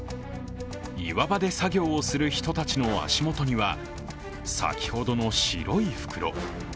岩場で作業をする人たちの足元には先ほどの白い袋。